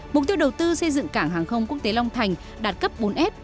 mục tiêu đầu tư xây dựng cảng hàng không quốc tế long thành đạt cấp bốn s